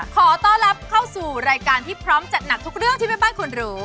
ขอต้อนรับเข้าสู่รายการที่พร้อมจัดหนักทุกเรื่องที่แม่บ้านควรรู้